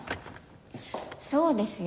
そうですよ。